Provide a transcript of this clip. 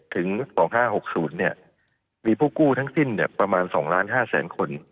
ถึงสองห้าหกศูนย์เนี้ยมีผู้กู้ทั้งสิ้นเนี้ยประมาณสองล้านห้าแสนคน